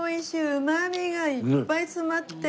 うまみがいっぱい詰まってる。